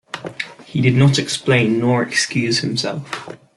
He did not explain nor excuse himself.